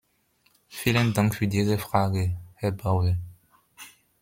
Vielen Dank für diese Frage, Herr Bowe.